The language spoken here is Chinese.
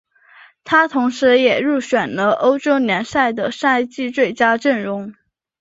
他同时也入选了欧洲联赛的赛季最佳阵容。